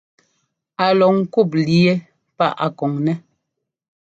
Á lɔ ŋkûp líi yɛ́ paʼa a kɔn nɛ́.